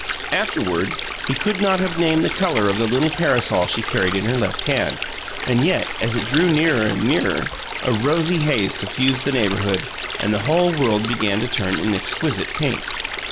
Afterward, he could not have named the color of the little parasol she carried in her left hand, and yet, as it drew nearer and nearer, a rosy haze suffused the neighborhood, and the whole world began to turn an exquisite pink.